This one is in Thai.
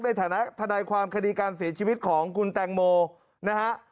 ในฐานะทนายความคดีการเสียชีวิตของคุณแตงโมนะฮะ